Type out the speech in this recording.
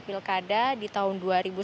pilkada di tahun dua ribu sepuluh